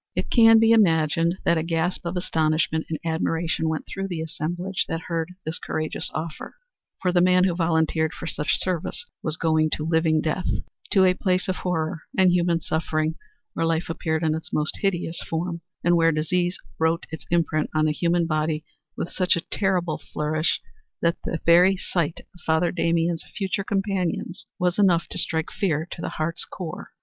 It can be imagined that a gasp of astonishment and admiration went through the assemblage that heard this courageous offer, for the man who volunteered for such service was going to living death to a place of horror and human suffering where life appeared in its most hideous form, and where disease wrote its imprint on the human body with such a terrible flourish that the very sight of Father Damien's future companions was enough to strike fear to the heart's core.